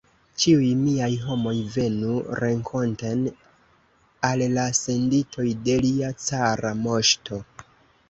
Ĉiuj miaj homoj venu renkonten al la senditoj de lia cara moŝto!